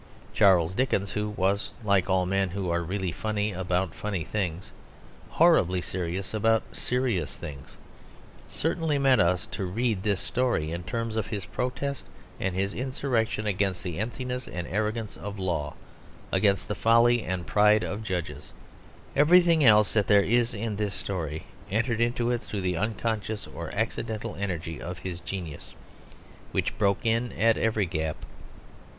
Charles Dickens, who was, like all men who are really funny about funny things, horribly serious about serious things, certainly meant us to read this story in terms of his protest and his insurrection against the emptiness and arrogance of law, against the folly and the pride of judges. Everything else that there is in this story entered into it through the unconscious or accidental energy of his genius, which broke in at every gap.